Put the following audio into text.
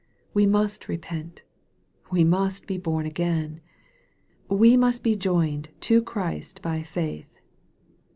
We must repent. We must be born again. We must be joined to Christ by faith.